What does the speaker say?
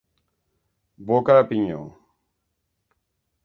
Boca de pinyó.